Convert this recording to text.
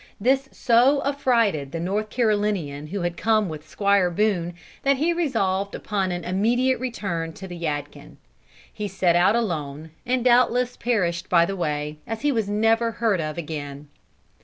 This so affrighted the North Carolinian who had come with Squire Boone, that he resolved upon an immediate return to the Yadkin. He set out alone, and doubtless perished by the way, as he was never heard of again.